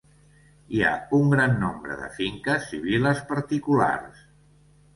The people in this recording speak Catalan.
Hi ha un gran nombre de finques i vil·les particulars.